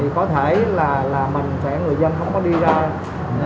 có thể là người dân không có đi ra